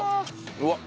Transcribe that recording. うわっ！